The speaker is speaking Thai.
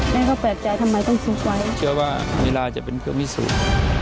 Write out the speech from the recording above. แม่ก็แปลกใจทำไมต้องซุกไว้เชื่อว่าลีลาจะเป็นเครื่องพิสูจน์